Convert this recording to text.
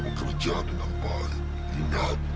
lierathank you di bank